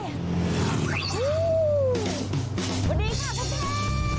สวัสดีค่ะทุกทุก